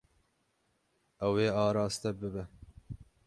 Ew ê araste bibe.